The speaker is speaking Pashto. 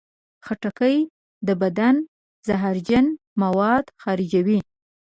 خټکی د بدن زهرجن مواد خارجوي.